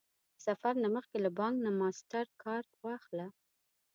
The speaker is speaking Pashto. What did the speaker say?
د سفر نه مخکې له بانک نه ماسټرکارډ واخله